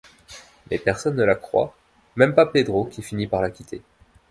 Mais personne ne la croit, même pas Pedro qui finit par la quitter.